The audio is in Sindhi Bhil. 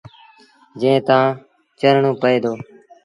جݩهݩ تآݩ چڙهڻو پئي دو۔